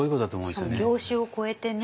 しかも業種を超えてね。